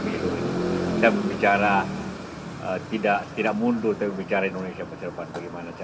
kita bicara tidak mundur tapi bicara indonesia masa depan bagaimana